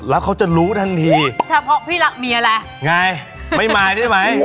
แล้วเขาจะรู้ทันทีถ้าเพราะพี่รักเมียอะไรไงไม่มาได้ไหม